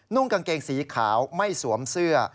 กางเกงสีขาวไม่สวมเสื้อ